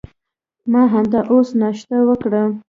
ما همدا اوس ناشته وکړه.